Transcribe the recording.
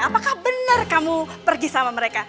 apakah benar kamu pergi sama mereka